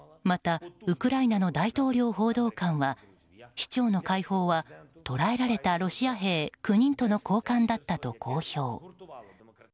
またウクライナの大統領報道官は市長の解放は捉えられたロシア兵９人との交換だったと公表。